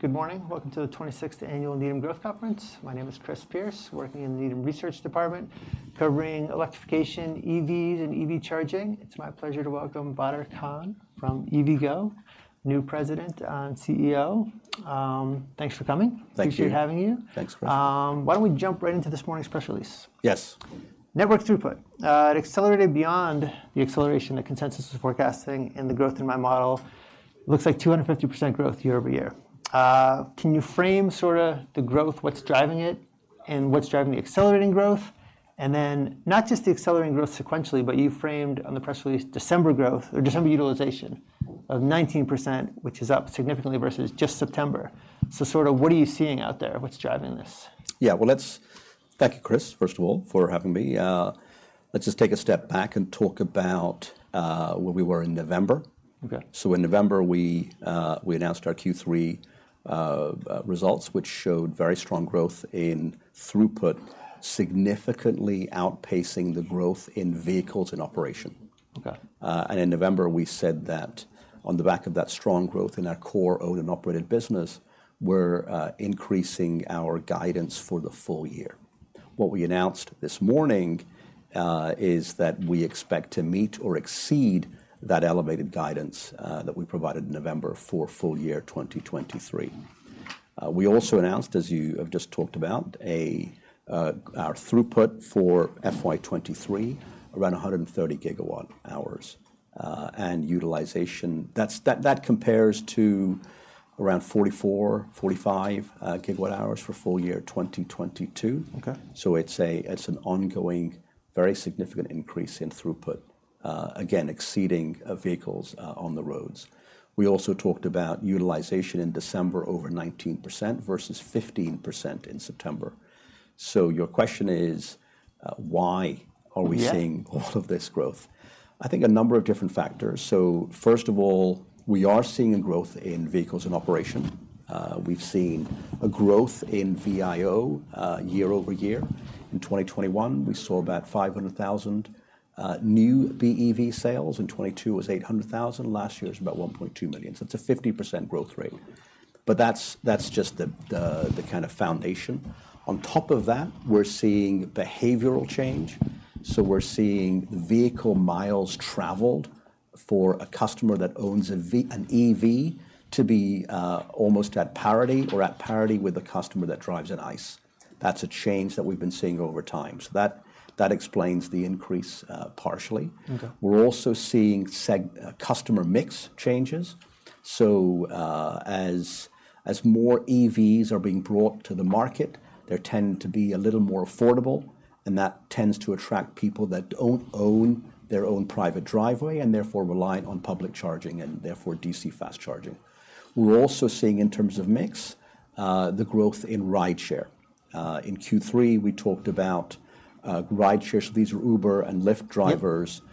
Good morning. Welcome to the 26th Annual Needham Growth Conference. My name is Chris Pierce, working in the Needham Research Department, covering electrification, EVs, and EV charging. It's my pleasure to welcome Badar Khan from EVgo, new president and CEO. Thanks for coming. Thank you. Appreciate having you. Thanks, Chris. Why don't we jump right into this morning's press release? Yes. Network throughput, it accelerated beyond the acceleration that consensus was forecasting, and the growth in my model looks like 250% growth year-over-year. Can you frame sorta the growth, what's driving it, and what's driving the accelerating growth? And then not just the accelerating growth sequentially, but you framed on the press release, December growth or December utilization of 19%, which is up significantly versus just September. So sorta, what are you seeing out there? What's driving this? Thank you, Chris, first of all, for having me. Let's just take a step back and talk about where we were in November. Okay. In November, we announced our Q3 results, which showed very strong growth in throughput, significantly outpacing the growth in vehicles in operation. Okay. In November, we said that on the back of that strong growth in our core owned and operated business, we're increasing our guidance for the full year. What we announced this morning is that we expect to meet or exceed that elevated guidance that we provided in November for full year 2023. We also announced, as you have just talked about, our throughput for FY 2023, around 130 GWh, and utilization. That compares to around 44-45 GWh for full year 2022. Okay. So it's an ongoing, very significant increase in throughput, again, exceeding vehicles on the roads. We also talked about utilization in December, over 19% versus 15% in September. So your question is, why Yeah Are we seeing all of this growth? I think a number of different factors. So first of all, we are seeing a growth in vehicles in operation. We've seen a growth in VIO, year-over-year. In 2021, we saw about 500,000 new BEV sales. In 2022, it was 800,000. Last year, it was about 1.2 million. So it's a 50% growth rate. But that's just the kind of foundation. On top of that, we're seeing behavioral change, so we're seeing vehicle miles traveled for a customer that owns an EV to be almost at parity or at parity with a customer that drives an ICE. That's a change that we've been seeing over time. So that explains the increase, partially. Okay. We're also seeing customer mix changes. So, as more EVs are being brought to the market, they tend to be a little more affordable, and that tends to attract people that don't own their own private driveway and therefore rely on public charging and therefore DC fast charging. We're also seeing, in terms of mix, the growth in rideshare. In Q3, we talked about rideshares. So these are Uber and Lyft drivers. Yep.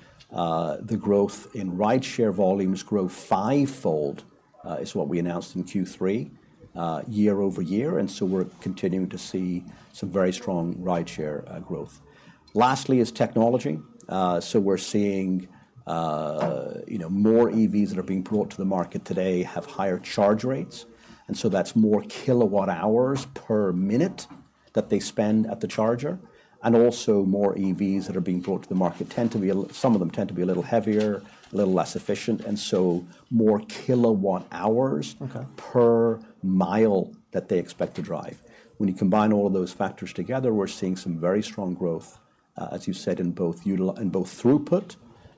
The growth in rideshare volumes grew fivefold, is what we announced in Q3, year over year, and so we're continuing to see some very strong rideshare, growth. Lastly is technology. So we're seeing, you know, more EVs that are being brought to the market today have higher charge rates, and so that's more kilowatt hours per minute that they spend at the charger. And also more EVs that are being brought to the market tend to be a little some of them tend to be a little heavier, a little less efficient, and so more kilowatt hours Okay Per mile that they expect to drive. When you combine all of those factors together, we're seeing some very strong growth, as you said, in both throughput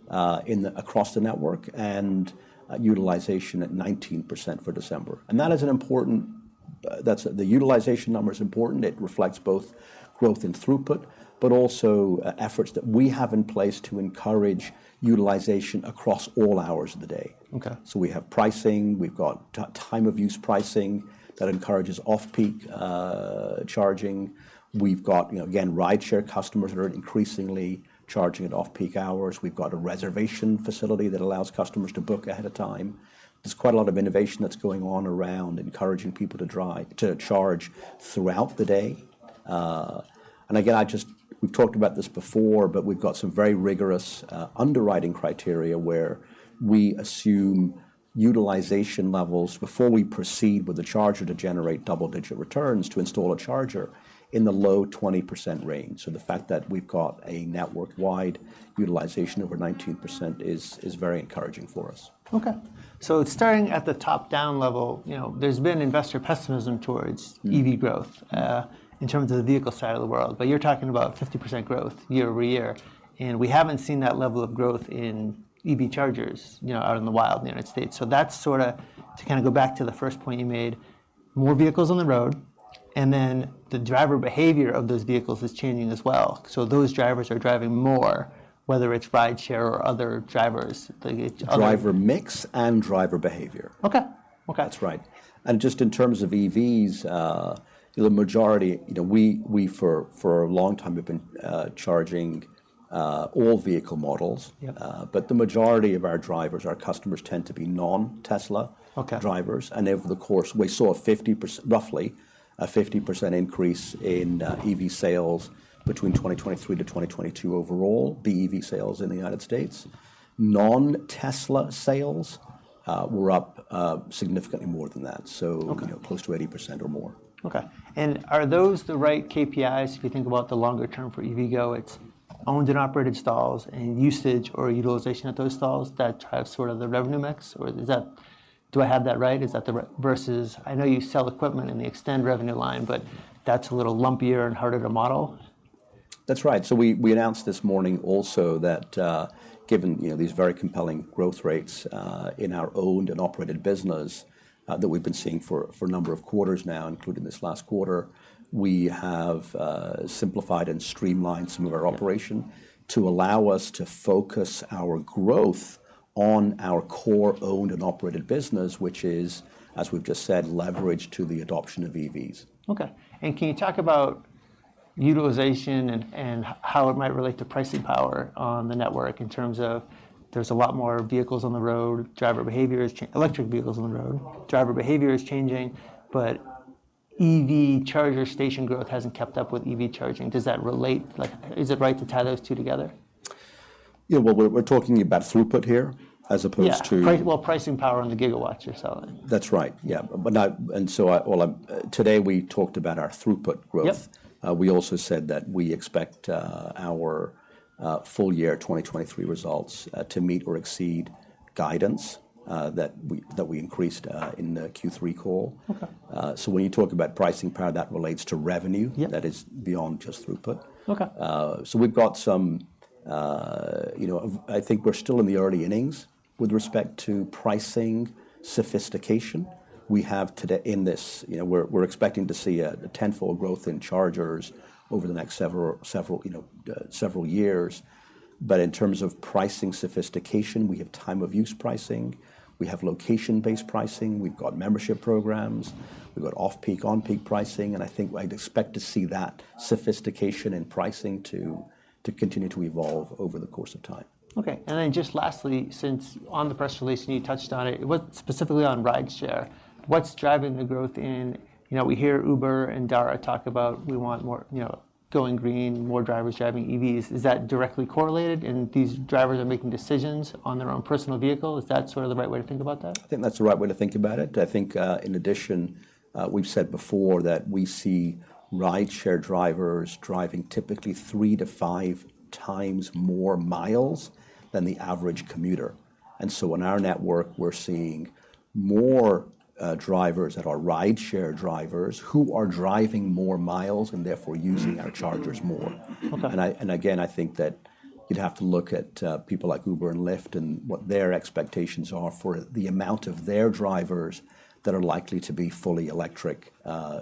across the network, and utilization at 19% for December. And that is an important. The utilization number is important. It reflects both growth in throughput, but also, efforts that we have in place to encourage utilization across all hours of the day. Okay. So we have pricing. We've got time of use pricing that encourages off-peak charging. We've got, you know, again, rideshare customers that are increasingly charging at off-peak hours. We've got a reservation facility that allows customers to book ahead of time. There's quite a lot of innovation that's going on around encouraging people to charge throughout the day. And again, I just. We've talked about this before, but we've got some very rigorous underwriting criteria where we assume utilization levels before we proceed with the charger to generate double-digit returns to install a charger in the low 20% range. So the fact that we've got a network-wide utilization over 19% is very encouraging for us. Okay. So starting at the top-down level, you know, there's been investor pessimism towards Mm EV growth in terms of the vehicle side of the world, but you're talking about 50% growth year-over-year, and we haven't seen that level of growth in EV chargers, you know, out in the wild in the United States. So that's sorta, to kinda go back to the first point you made, more vehicles on the road, and then the driver behavior of those vehicles is changing as well. So those drivers are driving more, whether it's rideshare or other drivers, the other Driver mix and driver behavior. Okay. Okay. That's right. Just in terms of EVs, the majority, you know, we for a long time have been charging all vehicle models. Yep. But the majority of our drivers, our customers, tend to be non-Tesla. Okay Drivers. Over the course, we saw roughly a 50% increase in EV sales between 2023 to 2022 overall, BEV sales in the United States. Non-Tesla sales. We're up significantly more than that. Okay. You know, close to 80% or more. Okay. And are those the right KPIs if you think about the longer term for EVgo? It's owned and operated stalls and usage or utilization of those stalls that drive sort of the revenue mix? Or is that. Do I have that right? Is that the re- versus I know you sell equipment in the eXtend revenue line, but that's a little lumpier and harder to model. That's right. So we announced this morning also that, given, you know, these very compelling growth rates in our owned and operated business, that we've been seeing for a number of quarters now, including this last quarter, we have simplified and streamlined some of our operation Yeah To allow us to focus our growth on our core owned and operated business, which is, as we've just said, leveraged to the adoption of EVs. Okay. And can you talk about utilization and how it might relate to pricing power on the network in terms of there's a lot more vehicles on the road, electric vehicles on the road, driver behavior is changing, but EV charger station growth hasn't kept up with EV charging. Does that relate? Like, is it right to tie those two together? Yeah, well, we're talking about throughput here as opposed to Yeah. Well, pricing power on the gigawatts you're selling. That's right, yeah. But now. And so, well, today, we talked about our throughput growth. Yep. We also said that we expect our full year 2023 results to meet or exceed guidance that we increased in the Q3 call. Okay. So, when you talk about pricing power, that relates to revenue Yep - that is beyond just throughput. Okay. So we've got some, you know, I think we're still in the early innings with respect to pricing sophistication. We have today in this. You know, we're expecting to see a tenfold growth in chargers over the next several years. But in terms of pricing sophistication, we have time of use pricing, we have location-based pricing, we've got membership programs, we've got off-peak/on-peak pricing, and I think I'd expect to see that sophistication in pricing to continue to evolve over the course of time. Okay. And then just lastly, since on the press release, and you touched on it, what specifically on rideshare, what's driving the growth in. You know, we hear Uber and Dara talk about, we want more, you know, going green, more drivers driving EVs. Is that directly correlated, and these drivers are making decisions on their own personal vehicle? Is that sort of the right way to think about that? I think that's the right way to think about it. I think, in addition, we've said before that we see rideshare drivers driving typically three-five times more miles than the average commuter. And so in our network, we're seeing more, drivers that are rideshare drivers who are driving more miles and therefore using our chargers more. Okay. And again, I think that you'd have to look at people like Uber and Lyft and what their expectations are for the amount of their drivers that are likely to be fully electric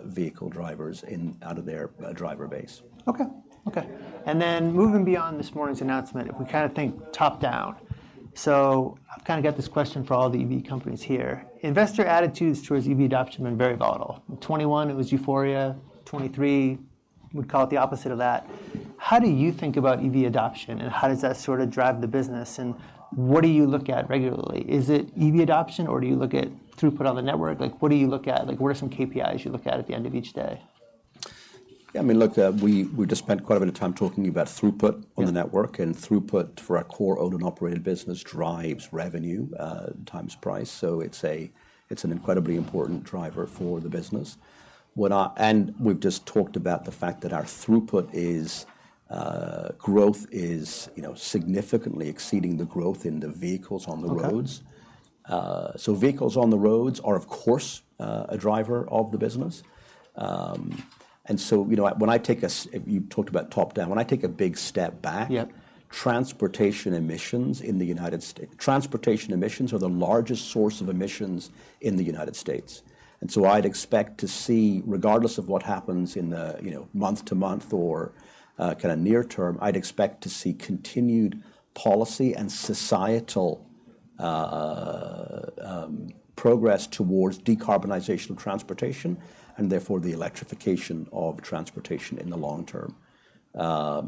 vehicle drivers in out of their driver base. Okay. Okay. And then moving beyond this morning's announcement, if we kind of think top-down. So I've kind of got this question for all the EV companies here: Investor attitudes towards EV adoption have been very volatile. In 2021, it was euphoria; 2023, we'd call it the opposite of that. How do you think about EV adoption, and how does that sort of drive the business, and what do you look at regularly? Is it EV adoption, or do you look at throughput on the network? Like, what do you look at? Like, what are some KPIs you look at the end of each day? Yeah, I mean, look, we just spent quite a bit of time talking about throughput- Yeah on the network, and throughput for our core owned and operated business drives revenue times price. So it's a, it's an incredibly important driver for the business. And we've just talked about the fact that our throughput growth is, you know, significantly exceeding the growth in the vehicles on the roads. Okay. So vehicles on the roads are, of course, a driver of the business. And so, you know, you talked about top-down, when I take a big step back. Yep Transportation emissions in the United States. Transportation emissions are the largest source of emissions in the United States. And so I'd expect to see, regardless of what happens in the, you know, month to month or, kind of near term, I'd expect to see continued policy and societal progress towards decarbonization of transportation and therefore the electrification of transportation in the long term.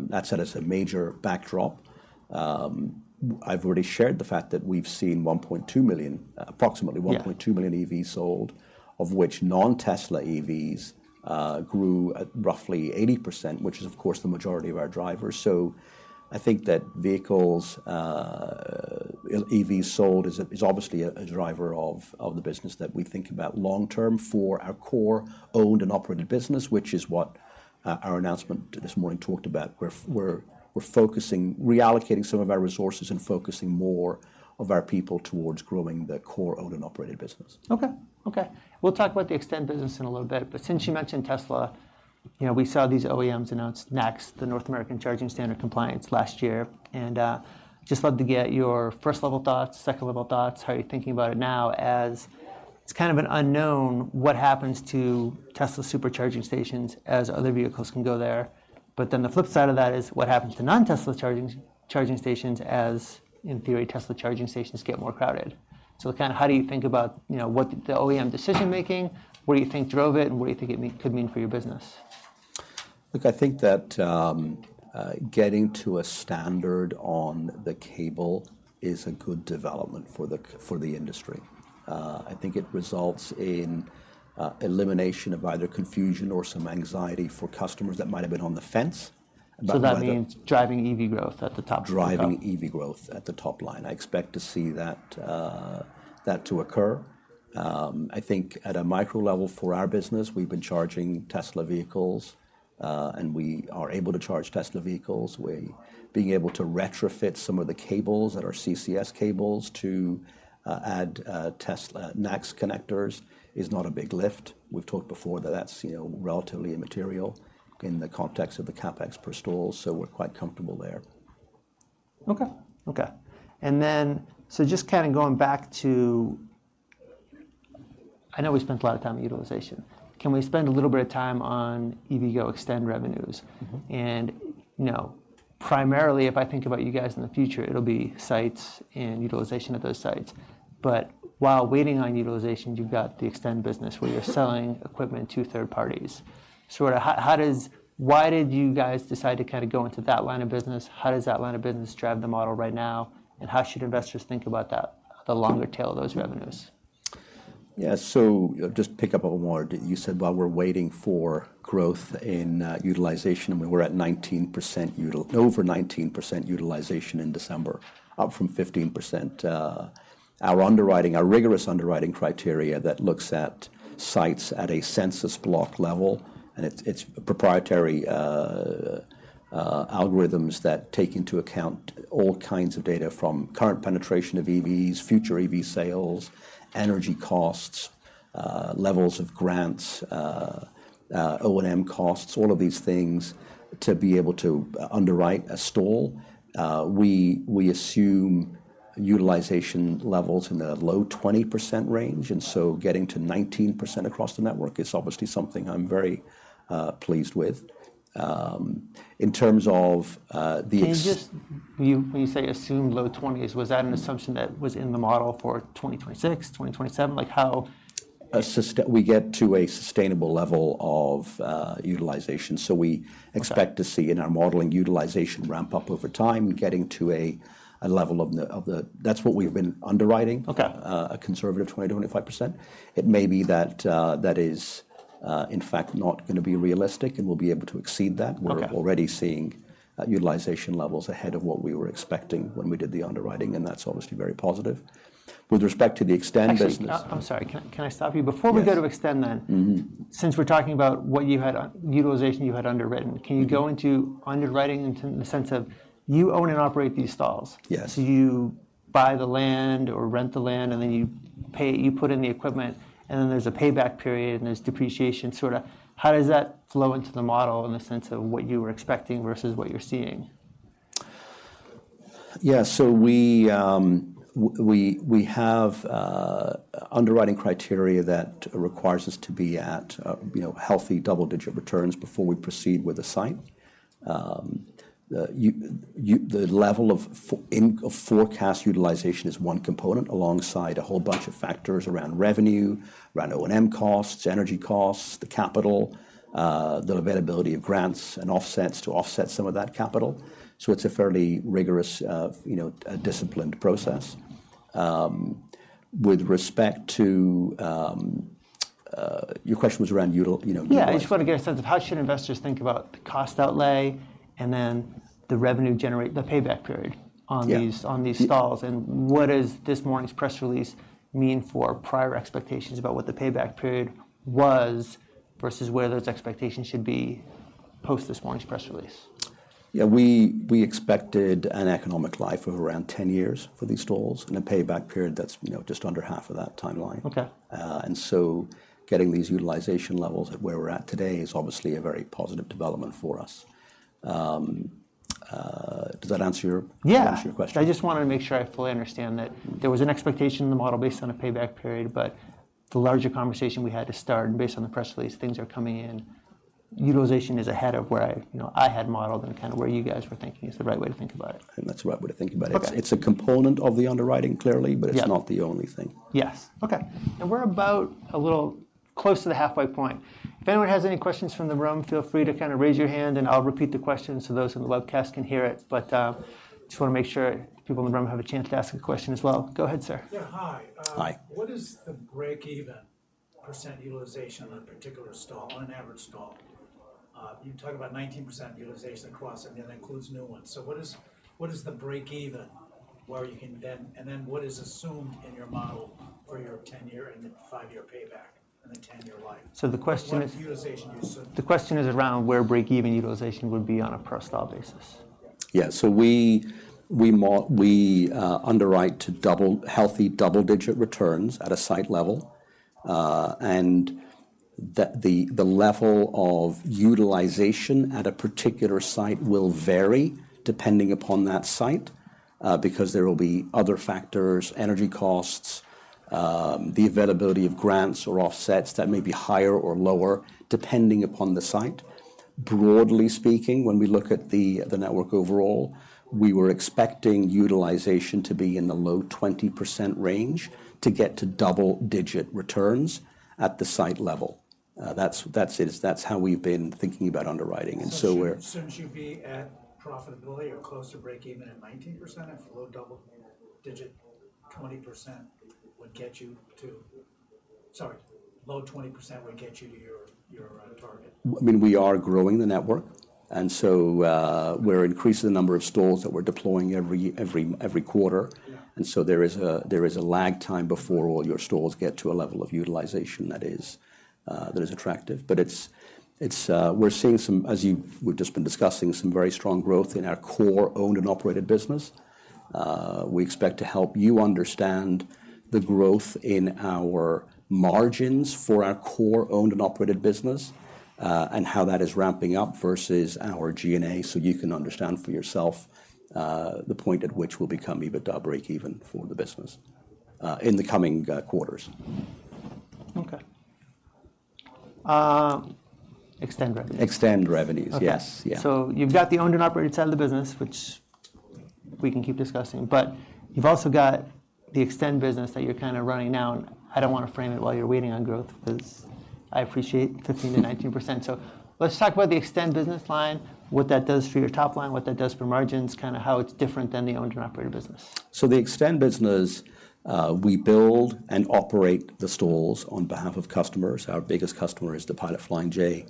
That said, as a major backdrop, I've already shared the fact that we've seen 1.2 million, approximately- Yeah 1.2 million EVs sold, of which non-Tesla EVs grew at roughly 80%, which is, of course, the majority of our drivers. So I think that vehicles EV sold is, is obviously a, a driver of, of the business that we think about long term for our core owned and operated business, which is what our announcement this morning talked about. We're, we're, we're focusing, reallocating some of our resources and focusing more of our people towards growing the core owned and operated business. Okay. Okay. We'll talk about the eXtend business in a little bit, but since you mentioned Tesla, you know, we saw these OEMs announce NACS, the North American Charging Standard compliance, last year. And just love to get your first-level thoughts, second-level thoughts, how you're thinking about it now, as it's kind of an unknown what happens to Tesla's supercharging stations as other vehicles can go there. But then the flip side of that is what happens to non-Tesla chargings, charging stations as, in theory, Tesla charging stations get more crowded. So kind of how do you think about, you know, what the OEM decision-making, what do you think drove it, and what do you think it mean-- could mean for your business? Look, I think that getting to a standard on the cable is a good development for the industry. I think it results in elimination of either confusion or some anxiety for customers that might have been on the fence. So that means driving EV growth at the top of the company. Driving EV growth at the top line. I expect to see that to occur. I think at a micro level for our business, we've been charging Tesla vehicles, and we are able to charge Tesla vehicles. Being able to retrofit some of the cables that are CCS cables to add Tesla NACS connectors is not a big lift. We've talked before that that's, you know, relatively immaterial in the context of the CapEx per stall, so we're quite comfortable there. Okay. Okay. And then, so just kind of going back to. I know we spent a lot of time on utilization. Can we spend a little bit of time on EVgo eXtend revenues? Mm-hmm. You know, primarily, if I think about you guys in the future, it'll be sites and utilization of those sites. But while waiting on utilization, you've got the eXtend business, where you're selling equipment to third parties. So, why did you guys decide to kind of go into that line of business? How does that line of business drive the model right now, and how should investors think about that, the longer tail of those revenues? Yeah. So just pick up on more. You said while we're waiting for growth in utilization, and we were at 19% over 19% utilization in December, up from 15%. Our underwriting, our rigorous underwriting criteria that looks at sites at a census block level, and it's proprietary algorithms that take into account all kinds of data, from current penetration of EVs, future EV sales, energy costs, levels of grants, O&M costs, all of these things, to be able to underwrite a stall. We assume utilization levels in the low 20% range, and so getting to 19% across the network is obviously something I'm very pleased with. In terms of the- Can you just, when you, when you say assumed low twenties, was that an assumption that was in the model for 2026, 2027? Like, how- We get to a sustainable level of utilization. Okay. So we expect to see in our modeling, utilization ramp up over time, getting to a level of the, that's what we've been underwriting- Okay. a conservative 20%-25%. It may be that, that is, in fact, not gonna be realistic, and we'll be able to exceed that. Okay. We're already seeing utilization levels ahead of what we were expecting when we did the underwriting, and that's obviously very positive. With respect to the eXtend business- Actually, I'm sorry. Can I stop you? Yes. Before we go to eXtend then Mm-hmm. Since we're talking about what you had utilization you had underwritten. Mm-hmm. Can you go into underwriting into the sense of you own and operate these stalls? Yes. So you buy the land or rent the land, and then you pay. You put in the equipment, and then there's a payback period, and there's depreciation sort of. How does that flow into the model in the sense of what you were expecting versus what you're seeing? Yeah. So we have underwriting criteria that requires us to be at, you know, healthy double-digit returns before we proceed with a site. The level of forecast utilization is one component alongside a whole bunch of factors around revenue, around O&M costs, energy costs, the capital, the availability of grants and offsets to offset some of that capital. So it's a fairly rigorous, you know, disciplined process. With respect to, your question was around utilization, you know, utilization. Yeah, I just want to get a sense of how should investors think about the cost outlay and then the revenue generation the payback period Yeah On these stalls, and what does this morning's press release mean for prior expectations about what the payback period was versus where those expectations should be post this morning's press release? Yeah, we expected an economic life of around 10 years for these stalls and a payback period that's, you know, just under half of that timeline. Okay. And so getting these utilization levels at where we're at today is obviously a very positive development for us. Does that answer your Yeah! answer your question? I just wanted to make sure I fully understand that there was an expectation in the model based on a payback period, but the larger conversation we had to start based on the press release, things are coming in. Utilization is ahead of where I, you know, I had modeled and kind of where you guys were thinking, is the right way to think about it. And that's the right way to think about it. Okay. It's a component of the underwriting, clearly. Yeah But it's not the only thing. Yes. Okay. We're about a little close to the halfway point. If anyone has any questions from the room, feel free to kind of raise your hand, and I'll repeat the question so those in the webcast can hear it. But, just wanna make sure people in the room have a chance to ask a question as well. Go ahead, sir. Yeah, hi. Hi. What is the break-even percent utilization on a particular stall, on an average stall? You talk about 19% utilization across, and that includes new ones. So what is the break-even, where you can then? And then what is assumed in your model for your 10-year and the 5-year payback and the 10-year life? The question is What utilization you assumed? The question is around where break-even utilization would be on a per stall basis. Yeah. So we underwrite to healthy double-digit returns at a site level, and the level of utilization at a particular site will vary depending upon that site, because there will be other factors, energy costs, the availability of grants or offsets that may be higher or lower, depending upon the site. Broadly speaking, when we look at the network overall, we were expecting utilization to be in the low 20% range to get to double-digit returns at the site level. That's it. That's how we've been thinking about underwriting, and so we're So shouldn't you be at profitability or close to break-even at 19%, if low double-digit, 20% would get you to orry, low 20% would get you to your, your, target? I mean, we are growing the network, and so, we're increasing the number of stalls that we're deploying every quarter. Yeah. There is a lag time before all your stalls get to a level of utilization that is attractive. But it's, We're seeing some, as you, we've just been discussing, some very strong growth in our core owned and operated business. We expect to help you understand the growth in our margins for our core owned and operated business, and how that is ramping up versus our G&A, so you can understand for yourself the point at which we'll become EBITDA breakeven for the business in the coming quarters. Okay. eXtend revenues. eXtend revenues. Okay. Yes. Yeah. So you've got the owned and operated side of the business, which we can keep discussing, but you've also got the eXtend business that you're kind of running now, and I don't want to frame it while you're waiting on growth because I appreciate 15%-19%. So let's talk about the eXtend business line, what that does for your top line, what that does for margins, kind of how it's different than the owned and operated business. So the eXtend business, we build and operate the stalls on behalf of customers. Our biggest customer is the Pilot Flying J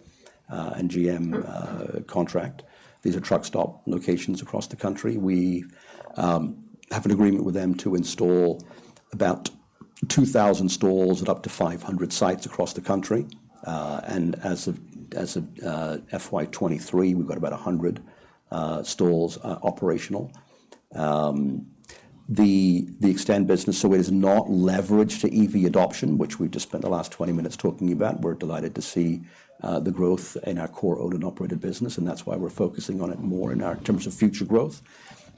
and GM contract. These are truck stop locations across the country. We have an agreement with them to install about 2,000 stalls at up to 500 sites across the country. As of FY 2023, we've got about 100 stalls operational. The eXtend business, so it is not leveraged to EV adoption, which we've just spent the last 20 minutes talking about. We're delighted to see the growth in our core owned and operated business, and that's why we're focusing on it more in our terms of future growth.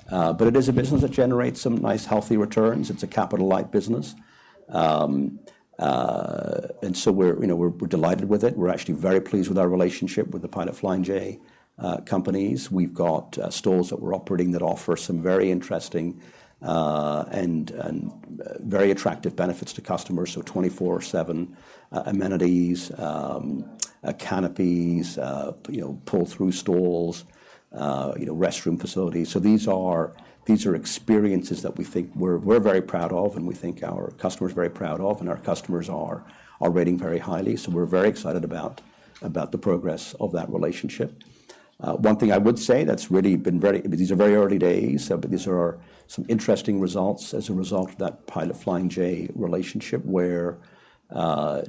But it is a business that generates some nice, healthy returns. It's a capital-light business. And so we're, you know, we're delighted with it. We're actually very pleased with our relationship with the Pilot Flying J companies. We've got stalls that we're operating that offer some very interesting and very attractive benefits to customers. So 24/7 amenities, canopies, you know, pull-through stalls, you know, restroom facilities. So these are experiences that we think we're very proud of, and we think our customers are very proud of, and our customers are rating very highly. So we're very excited about the progress of that relationship. One thing I would say that's really been very these are very early days, but these are some interesting results as a result of that Pilot Flying J relationship, where,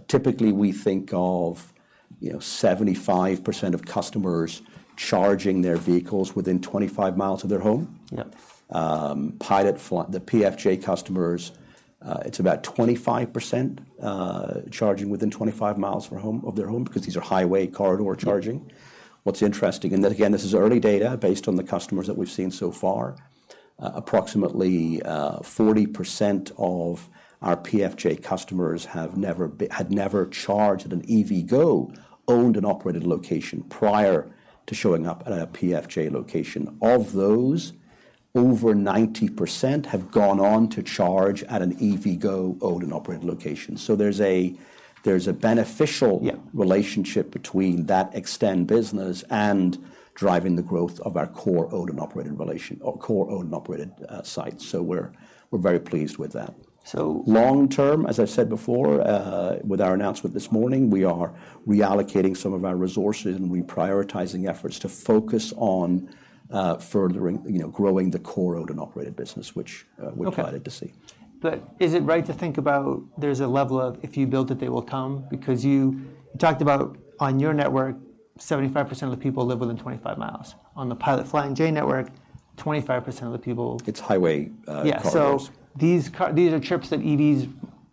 typically, we think of, you know, 75% of customers charging their vehicles within 25 miles of their home. Yeah. Pilot Flying J customers, it's about 25%, charging within 25 miles from home of their home because these are highway corridor charging. What's interesting, and again, this is early data based on the customers that we've seen so far, approximately, 40% of our PFJ customers had never charged at an EVgo owned and operated location prior to showing up at a PFJ location. Of those, over 90% have gone on to charge at an EVgo owned and operated location. So there's a beneficial Yeah Relationship between that eXtend business and driving the growth of our core owned and operated sites. So we're, we're very pleased with that. So Long term, as I've said before, with our announcement this morning, we are reallocating some of our resources, and we're prioritizing efforts to focus on, furthering, you know, growing the core owned and operated business, whic Okay We're delighted to see. Is it right to think about there's a level of if you build it, they will come? Because you talked about on your network, 75% of the people live within 25 miles. On the Pilot Flying J network, 25% of the people It's highway corridors. Yeah. So these are trips that EVs,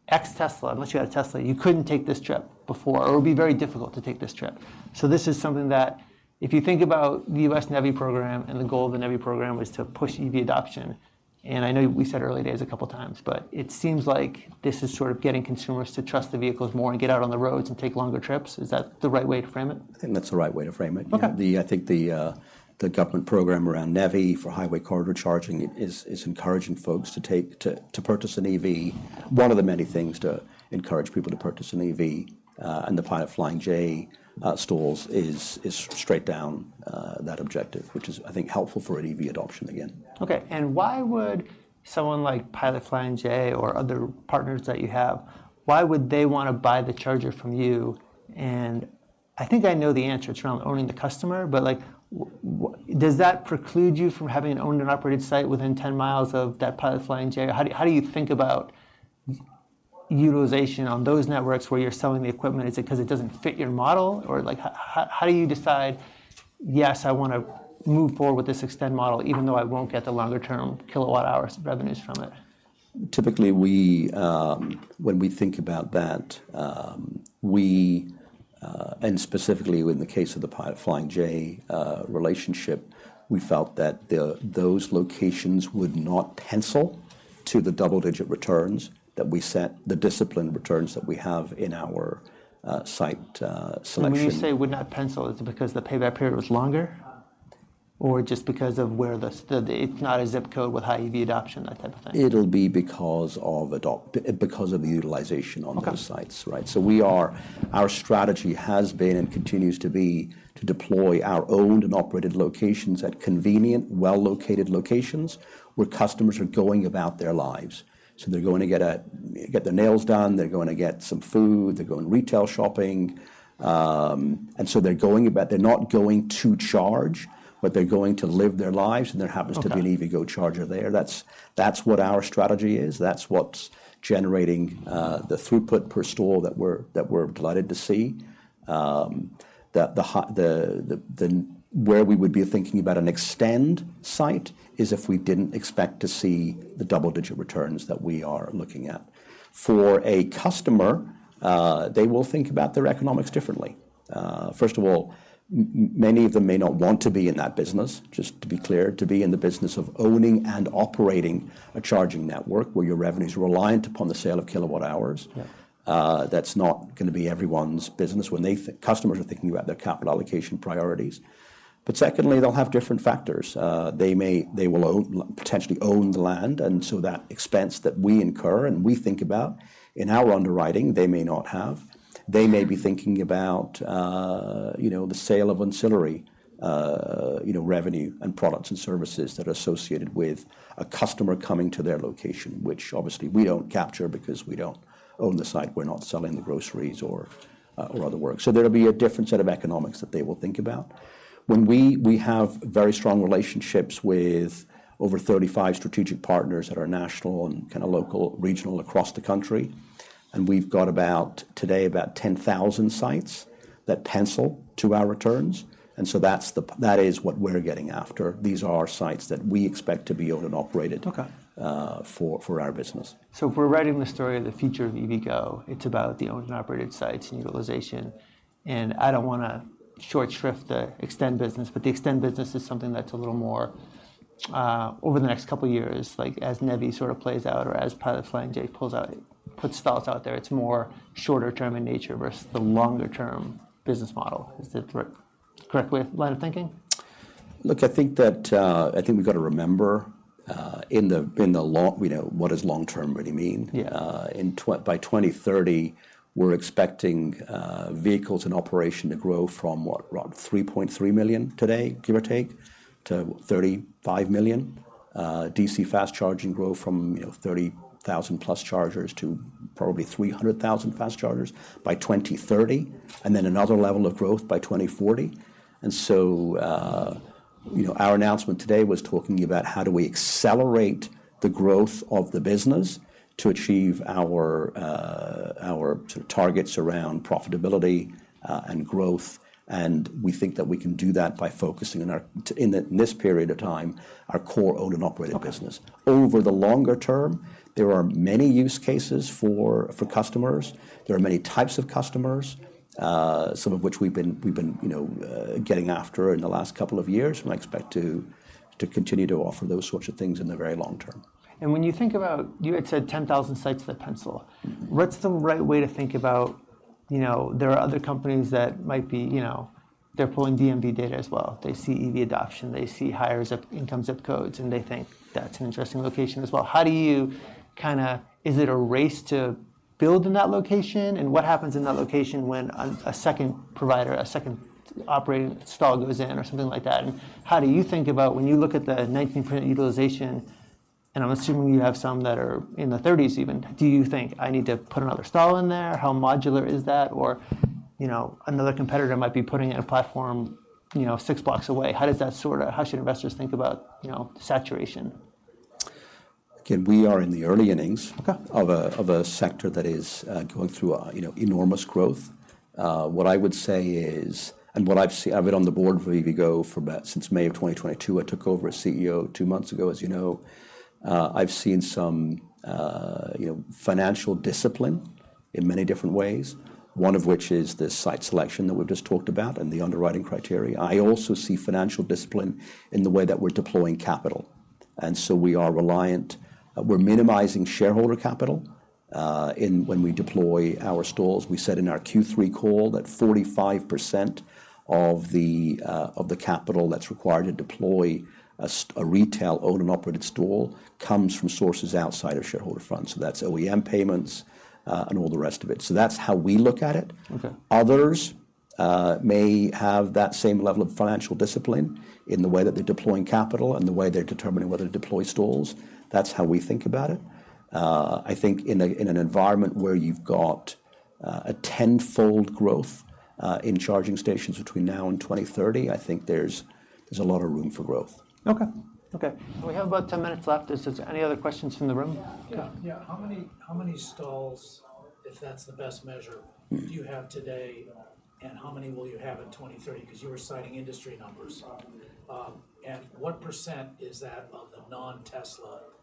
ex-Tesla, unless you had a Tesla, you couldn't take this trip before or it would be very difficult to take this trip. So this is something that if you think about the U.S. NEVI program, and the goal of the NEVI program was to push EV adoption, and I know we said early days a couple of times, but it seems like this is sort of getting consumers to trust the vehicles more and get out on the roads and take longer trips. Is that the right way to frame it? I think that's the right way to frame it. Okay. I think the government program around NEVI for highway corridor charging is encouraging folks to purchase an EV. One of the many things to encourage people to purchase an EV, and the Pilot Flying J stalls is straight down that objective, which I think is helpful for an EV adoption again. Okay. And why would someone like Pilot Flying J or other partners that you have, why would they want to buy the charger from you? And I think I know the answer. It's around owning the customer, but, like, does that preclude you from having an owned and operated site within ten miles of that Pilot Flying J? How do you, how do you think about utilization on those networks where you're selling the equipment? Is it 'cause it doesn't fit your model? Or like, how, how, how do you decide, yes, I wanna move forward with this eXtend model, even though I won't get the longer-term kilowatt hours revenues from it? Typically, when we think about that, and specifically in the case of the Pilot Flying J relationship, we felt that those locations would not pencil to the double-digit returns that we set, the disciplined returns that we have in our site selection. When you say would not pencil, is it because the payback period was longer? Or just because of where the, it's not a zip code with high EV adoption, that type of thing? It'll be because of the utilization on those sites. Okay. Right. Our strategy has been, and continues to be, to deploy our owned and operated locations at convenient, well-located locations where customers are going about their lives. So they're going to get their nails done, they're going to get some food, they're going retail shopping, and so they're going about their lives. They're not going to charge, but they're going to live their lives, and there happens- Okay To be an EVgo charger there. That's what our strategy is. That's what's generating the throughput per stall that we're delighted to see. The where we would be thinking about an eXtend site is if we didn't expect to see the double-digit returns that we are looking at. For a customer, they will think about their economics differently. First of all, many of them may not want to be in that business, just to be clear, to be in the business of owning and operating a charging network where your revenue is reliant upon the sale of kilowatt hours. Yeah. That's not gonna be everyone's business when the customers are thinking about their capital allocation priorities. But secondly, they'll have different factors. They will own, potentially own the land, and so that expense that we incur and we think about in our underwriting, they may not have. They may be thinking about, you know, the sale of ancillary, you know, revenue and products and services that are associated with a customer coming to their location, which obviously we don't capture because we don't own the site. We're not selling the groceries or other work. So there'll be a different set of economics that they will think about. When we have very strong relationships with over 35 strategic partners that are national and kinda local, regional across the country, and we've got about today, about 10,000 sites that pencil to our returns, and so that's the- that is what we're getting after. These are sites that we expect to be owned and operated- Okay For our business. So if we're writing the story of the future of EVgo, it's about the owned and operated sites and utilization. And I don't wanna short shrift the eXtend business, but the eXtend business is something that's a little more, over the next couple of years, like as NEVI sort of plays out or as Pilot Flying J pulls out- puts thoughts out there, it's more shorter term in nature versus the longer term business model. Is that the correct way of line of thinking? Look, I think that I think we've got to remember in the long, you know, what does long term really mean? Yeah. By 2030, we're expecting vehicles in operation to grow from what, around 3.3 million today, give or take, to 35 million. DC fast charging grow from, you know, 30,000+ chargers to probably 300,000 fast chargers by 2030, and then another level of growth by 2040. And so, you know, our announcement today was talking about how do we accelerate the growth of the business to achieve our, our sort of targets around profitability, and growth, and we think that we can do that by focusing on our in this period of time, our core owned and operated business. Okay. Over the longer term, there are many use cases for customers. There are many types of customers, some of which we've been, you know, getting after in the last couple of years, and I expect to continue to offer those sorts of things in the very long term. When you think about, you had said 10,000 sites to the pencil. Mm-hmm. What's the right way to think about. You know, there are other companies that might be, you know, they're pulling DMV data as well. They see EV adoption, they see higher zip income zip codes, and they think that's an interesting location as well. How do you kinda Is it a race to build in that location? And what happens in that location when a, a second provider, a second operating stall goes in or something like that? And how do you think about when you look at the 19% utilization, and I'm assuming you have some that are in the 30s even, do you think, I need to put another stall in there? How modular is that? Or, you know, another competitor might be putting in a platform, you know, 6 blocks away. How does that sort out? How should investors think about, you know, saturation? Again, we are in the early innings Okay Of a sector that is going through a, you know, enormous growth. What I would say is, and what I've seen I've been on the board of EVgo for about since May of 2022. I took over as CEO two months ago, as you know. I've seen some, you know, financial discipline in many different ways, one of which is the site selection that we've just talked about and the underwriting criteria. I also see financial discipline in the way that we're deploying capital, and so we are reliant we're minimizing shareholder capital in when we deploy our stalls. We said in our Q3 call that 45% of the capital that's required to deploy a retail owned and operated stall comes from sources outside of shareholder funds, so that's OEM payments, and all the rest of it. So that's how we look at it. Okay. Others may have that same level of financial discipline in the way that they're deploying capital and the way they're determining whether to deploy stalls. That's how we think about it. I think in an environment where you've got a tenfold growth in charging stations between now and 2030, I think there's a lot of room for growth. Okay. Okay. We have about 10 minutes left. Is there any other questions from the room? Yeah. Yeah. How many, how many stalls, if that's the best measure? Mm Do you have today, and how many will you have in 2030? 'Cause you were citing industry numbers. And what % is that of the non-Tesla stalls out there? I just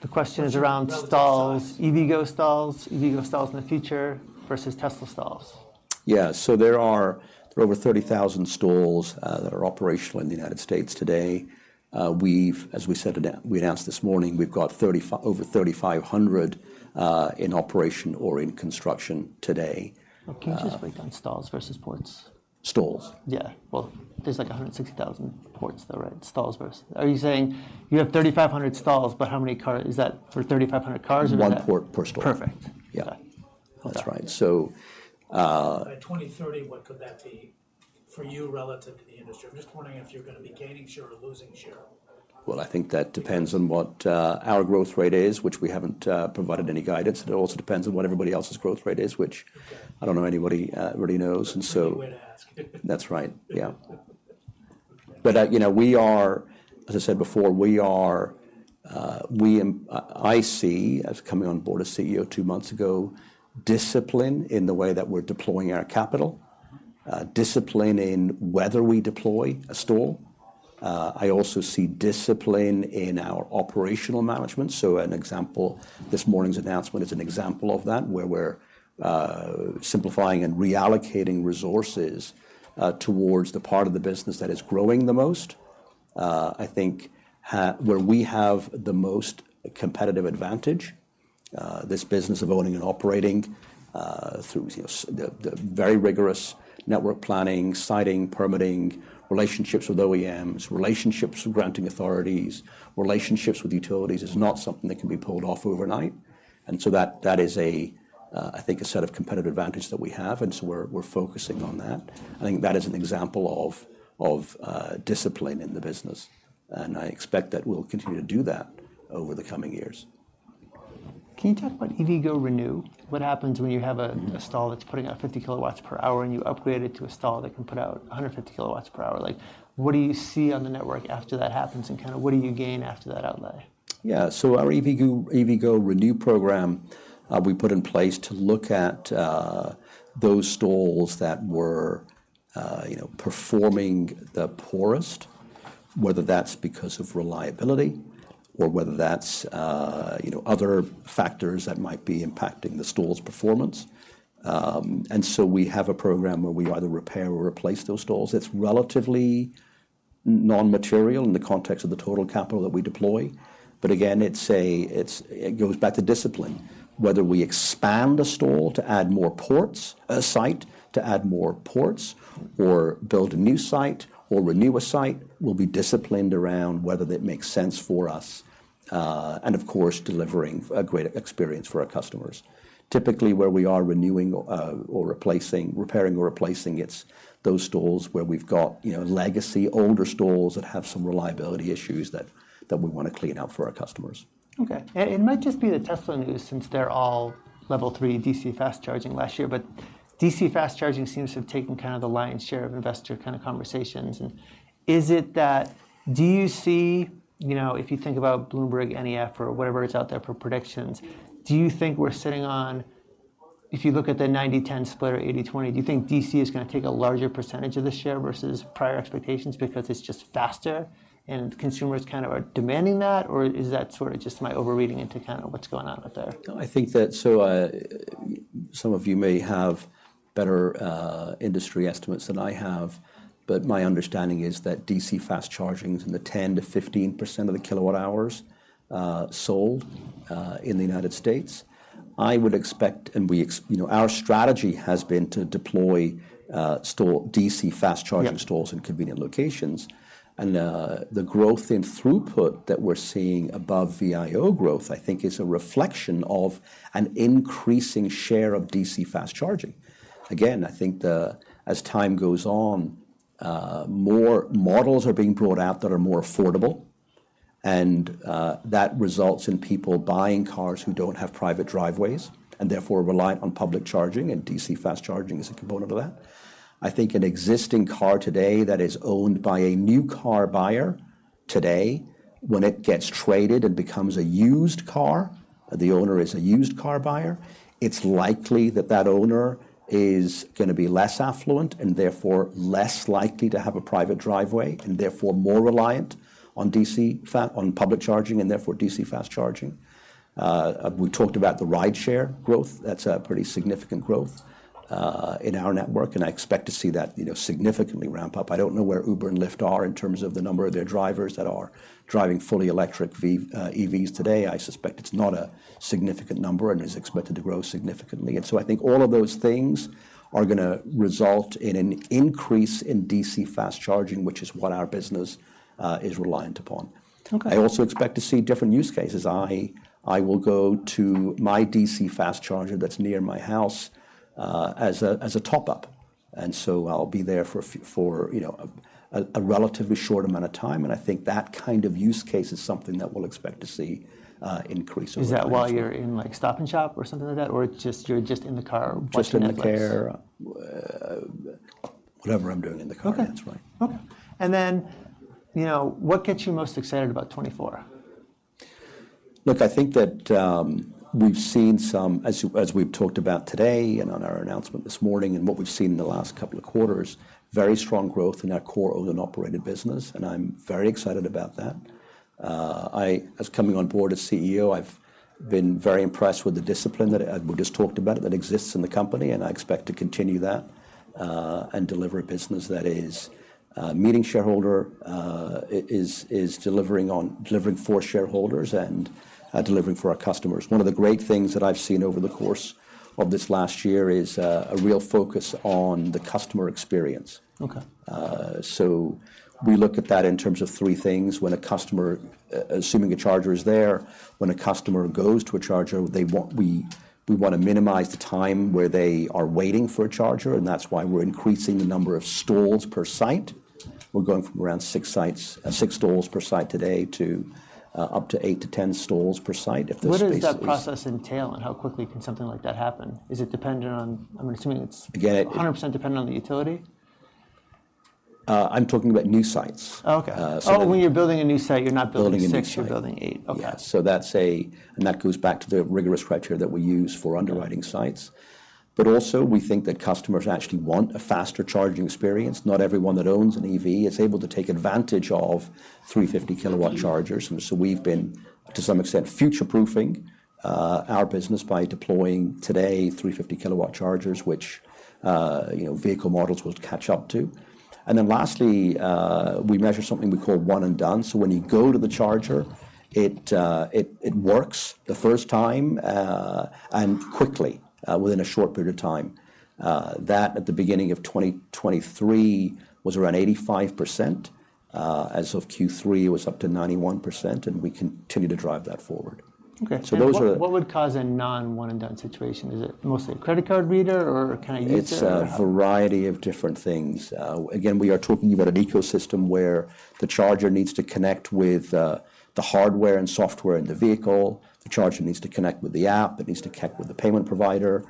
The question is around stalls Stalls EVgo stalls, EVgo stalls in the future versus Tesla stalls. Yeah. So there are over 30,000 stalls that are operational in the United States today. We've, as we said today, we announced this morning, we've got over 3,500 in operation or in construction today. Can you just break down stalls versus ports? Stalls? Yeah. Well, there's like 160,000 ports though, right? Stalls versus. Are you saying you have 3,500 stalls, but how many car. Is that for 3,500 cars or that One port per stall. Perfect. Yeah. Okay. That's right. So, By 2030, what could that be for you relative to the industry? I'm just wondering if you're gonna be gaining share or losing share. Well, I think that depends on what our growth rate is, which we haven't provided any guidance. It also depends on what everybody else's growth rate is, which I don't know anybody really knows, and so A good way to ask. That's right. Yeah. But, you know, we are, as I said before, we are, I see, as coming on board as CEO two months ago, discipline in the way that we're deploying our capital, discipline in whether we deploy a stall. I also see discipline in our operational management. So, an example, this morning's announcement is an example of that, where we're simplifying and reallocating resources towards the part of the business that is growing the most. I think where we have the most competitive advantage, this business of owning and operating, through, you know, the very rigorous network planning, siting, permitting, relationships with OEMs, relationships with granting authorities, relationships with utilities, is not something that can be pulled off overnight. And so that is a, I think, a set of competitive advantage that we have, and so we're focusing on that. I think that is an example of discipline in the business, and I expect that we'll continue to do that over the coming years. Can you talk about EVgo ReNew? What happens when you have a stall that's putting out 50 kilowatts per hour, and you upgrade it to a stall that can put out 150 kilowatts per hour? Like, what do you see on the network after that happens, and kind of what do you gain after that outlay? Yeah. So our EVgo ReNew program, we put in place to look at those stalls that were, you know, performing the poorest, whether that's because of reliability or whether that's, you know, other factors that might be impacting the stall's performance. And so we have a program where we either repair or replace those stalls. It's relatively non-material in the context of the total capital that we deploy. But again, it goes back to discipline. Whether we expand a stall to add more ports, a site to add more ports or build a new site or renew a site, we'll be disciplined around whether that makes sense for us, and of course, delivering a great experience for our customers. Typically, where we are renewing or replacing, repairing or replacing, it's those stalls where we've got, you know, legacy, older stalls that have some reliability issues that we want to clean out for our customers. Okay. It might just be the Tesla news, since they're all Level 3 DC fast charging last year, but DC fast charging seems to have taken kind of the lion's share of investor kind of conversations. Is it that? Do you see, you know, if you think about BloombergNEF or whatever is out there for predictions, do you think we're sitting on, if you look at the 90-10 split or 80-20, do you think DC is gonna take a larger percentage of the share versus prior expectations because it's just faster and consumers kind of are demanding that? Or is that sort of just my overreading into kind of what's going on out there? I think that, so, some of you may have better, industry estimates than I have, but my understanding is that DC Fast Charging is in the 10%-15% of the kilowatt hours, sold, in the United States. I would expect, and we, you know, our strategy has been to deploy, DC Fast Charging Yeah Stalls in convenient locations. The growth in throughput that we're seeing above VIO growth, I think, is a reflection of an increasing share of DC fast charging. Again, I think, as time goes on, more models are being brought out that are more affordable, and, that results in people buying cars who don't have private driveways and therefore rely on public charging, and DC fast charging is a component of that. I think an existing car today that is owned by a new car buyer today, when it gets traded and becomes a used car, the owner is a used car buyer, it's likely that that owner is gonna be less affluent and therefore less likely to have a private driveway, and therefore more reliant on DC fast on public charging, and therefore DC fast charging. We talked about the rideshare growth. That's a pretty significant growth in our network, and I expect to see that, you know, significantly ramp up. I don't know where Uber and Lyft are in terms of the number of their drivers that are driving fully electric V, EVs today. I suspect it's not a significant number and is expected to grow significantly. And so I think all of those things are gonna result in an increase in DC Fast Charging, which is what our business is reliant upon. Okay. I also expect to see different use cases. I will go to my DC fast charger that's near my house, as a top-up, and so I'll be there for, you know, a relatively short amount of time, and I think that kind of use case is something that we'll expect to see increase over the years. Is that while you're in, like, Stop & Shop or something like that, or it's just, you're just in the car watching Netflix? Just in the car, whatever I'm doing in the car Okay. That's right. Okay. You know, what gets you most excited about 2024? Look, I think that we've seen some, as we've talked about today and on our announcement this morning and what we've seen in the last couple of quarters, very strong growth in our core owned and operated business, and I'm very excited about that. I, as coming on board as CEO, I've been very impressed with the discipline that we just talked about, that exists in the company, and I expect to continue that and deliver a business that is delivering on, delivering for shareholders and delivering for our customers. One of the great things that I've seen over the course of this last year is a real focus on the customer experience. Okay. So we look at that in terms of three things. When a customer, assuming a charger is there, when a customer goes to a charger, they want, we wanna minimize the time where they are waiting for a charger, and that's why we're increasing the number of stalls per site. We're going from around 6 stalls per site today to up to 8-10 stalls per site if there's spaces. What does that process entail, and how quickly can something like that happen? Is it dependent on. I'm assuming it's Again, it 100% dependent on the utility? I'm talking about new sites. Okay. Uh, so Oh, when you're building a new site, you're not building Building a new site. 6, you're building 8. Okay. Yeah. So that goes back to the rigorous criteria that we use for underwriting sites. But also, we think that customers actually want a faster charging experience. Not everyone that owns an EV is able to take advantage of 350 kW chargers, and so we've been, to some extent, future-proofing our business by deploying today 350 kW chargers, which, you know, vehicle models will catch up to. And then lastly, we measure something we call One & Done. So when you go to the charger, it works the first time and quickly, within a short period of time. That, at the beginning of 2023, was around 85%. As of Q3, it was up to 91%, and we continue to drive that forward. Okay. So those are What, what would cause a non-one-and-done situation? Is it mostly a credit card reader, or can I use it? Or how It's a variety of different things. Again, we are talking about an ecosystem where the charger needs to connect with the hardware and software in the vehicle. The charger needs to connect with the app. It needs to connect with the payment provider.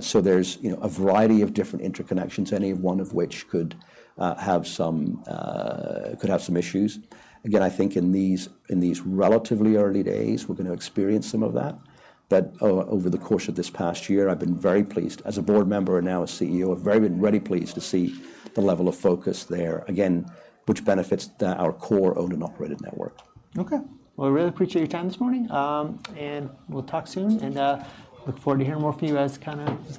So there's, you know, a variety of different interconnections, any one of which could have some issues. Again, I think in these relatively early days, we're gonna experience some of that. But over the course of this past year, I've been very pleased, as a board member and now as CEO, to see the level of focus there, again, which benefits our core owned and operated network. Okay. Well, I really appreciate your time this morning. We'll talk soon, and look forward to hearing more from you as kind of this